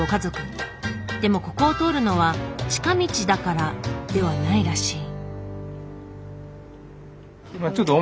でもここを通るのは近道だからではないらしい。